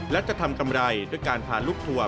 และจะทำกำไรด้วยการพาลูกทัวร์